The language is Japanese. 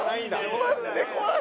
マジで怖い。